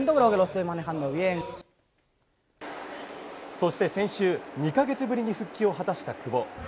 そして先週２か月ぶりに復帰を果たした久保。